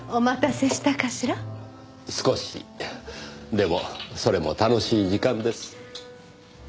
でもそれも楽しい時間です。